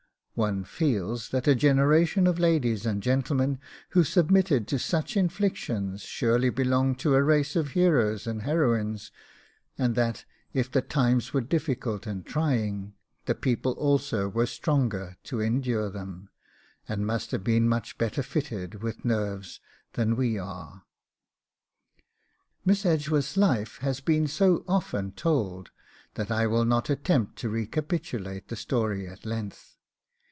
One feels that a generation of ladies and gentlemen who submitted to such inflictions surely belonged to a race of heroes and heroines, and that, if the times were difficult and trying, the people also were stronger to endure them, and must have been much better fitted with nerves than we are. Miss Edgeworth's life has been so often told that I will not attempt to recapitulate the story at any length.